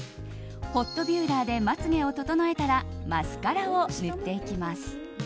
ホットビューラーでまつ毛を整えたらマスカラを塗っていきます。